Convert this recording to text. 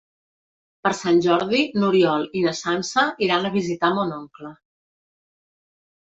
Per Sant Jordi n'Oriol i na Sança iran a visitar mon oncle.